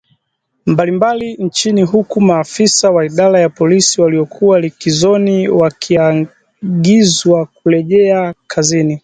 mbalimbali nchini huku maafisa wa idara ya polisi waliokuwa likizoni wakiagizwa kurejea kazini